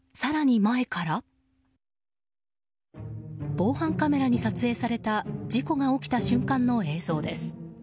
防犯カメラに撮影された事故が起きた瞬間の映像です。